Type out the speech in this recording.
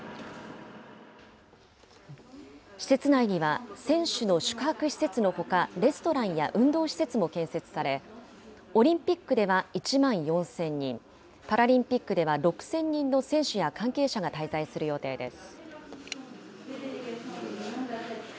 施設内には、選手の宿泊施設のほか、レストランや運動施設も建設され、オリンピックでは１万４０００人、パラリンピックでは６０００人の選手や関係者が滞在する予定です。